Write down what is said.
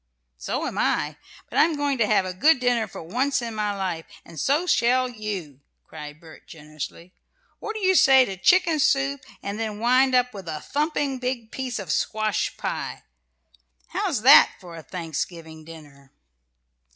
"So am I. But I'm going to have a good dinner for once in my life, and so shall you!" cried Bert, generously. "What do you say to chicken soup, and then wind up with a thumping big piece of squash pie? How's that for a Thanksgiving dinner?"